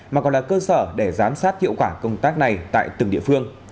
mà còn là cơ sở để giám sát hiệu quả công tác này tại từng địa phương